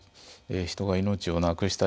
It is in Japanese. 人が命を亡くしたり